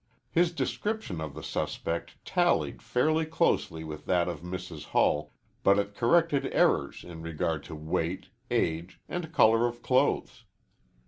His description of the suspect tallied fairly closely with that of Mrs. Hull, but it corrected errors in regard to weight, age, and color of clothes.